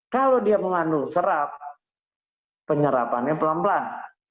kalau dia mengandung serap penyerapannya pelan pelan